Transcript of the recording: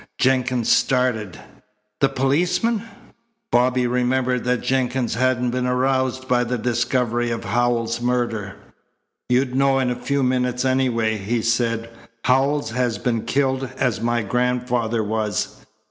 Jenkins started. "The policeman!" Bobby remembered that Jenkins hadn't been aroused by the discovery of Howells's murder. "You'd know in a few minutes anyway," he said. "Howells has been killed as my grandfather was."